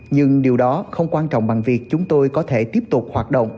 nhưng điều đó không quan trọng bằng việc chúng tôi có thể tiếp tục hoạt động